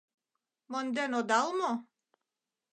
Монден одал мо?